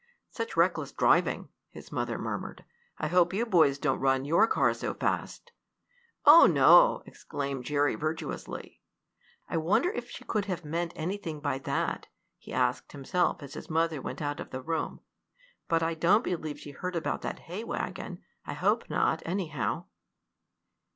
"Such reckless driving!" his mother murmured. "I hope you boys don't run your car so fast." "Oh, no!" exclaimed Jerry virtuously. "I wonder if she could have meant anything by that?" he asked himself as his mother went out of the room. "But I don't believe she heard about that hay wagon. I hope not, anyhow."